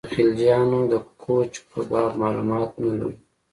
د خلجیانو د کوچ په باب معلومات نه لرو.